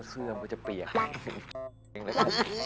เสื้อมจะเปียก